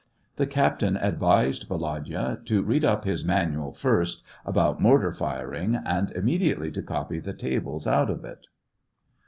The captain advised Volodya to read up his Manual," * first, about mortar firing, and imme diately to copy the tables out of it.